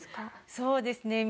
そうですね。